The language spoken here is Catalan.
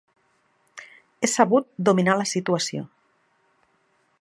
He sabut dominar la situació.